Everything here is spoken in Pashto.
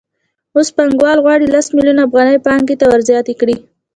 اوس پانګوال غواړي لس میلیونه افغانۍ پانګې ته ورزیاتې کړي